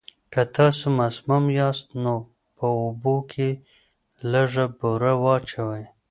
که تاسو مسموم یاست، نو په اوبو کې لږه بوره واچوئ.